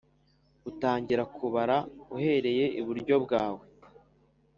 Utangira kubara uhereye iburyo bwawe.